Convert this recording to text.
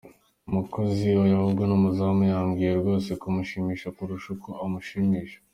Umukozi: Oya ahubwo ni umuzamu! yambwiye rwose ko mushimisha kurusha uko umushimisha.